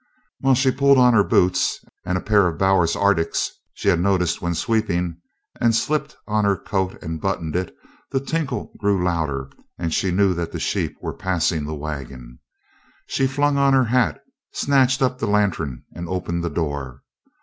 While she pulled on her boots, and a pair of Bowers's arctics she had noticed when sweeping, and slipped on her coat and buttoned it, the tinkle grew louder and she knew that the sheep were passing the wagon. She flung on her hat, snatched up the lantern and opened the door.